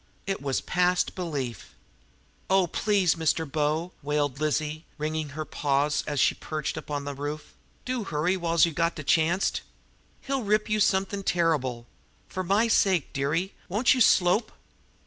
It was past belief! "Oh, please, Mr. Bo!" wailed Lizzie, wringing her paws as she perched upon the roof. "Do hurry while youse has got de chanst! He'll rip you somethin' terrible! For my sake, dearie, won't you slope?"